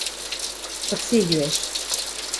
Кыце йӱӓш?